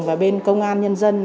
và bên công an nhân dân